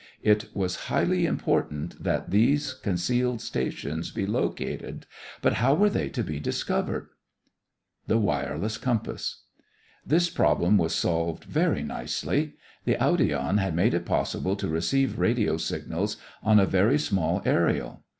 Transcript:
It was highly important that these concealed stations be located, but how were they to be discovered? THE WIRELESS COMPASS This problem was solved very nicely. The audion had made it possible to receive radio signals on a very small aërial.